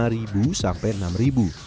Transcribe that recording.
rp lima sampai rp enam